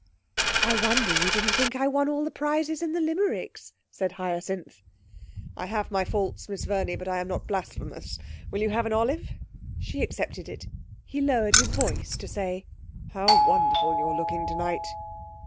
'I wonder you didn't think I won all the prizes in the Limericks,' said Hyacinth. 'I have my faults, Miss Verney, but I'm not blasphemous. Will you have an olive?' She accepted it. He lowered his voice to say 'How wonderful you're looking tonight!'